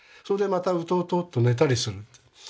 それでまたウトウトッと寝たりする。